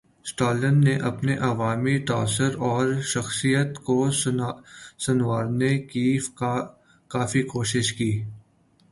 استالن نے اپنے عوامی تاثر اور شخصیت کو سنوارنے کی کافی کوشش کی۔